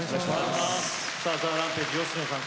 さあＴＨＥＲＡＭＰＡＧＥ吉野さん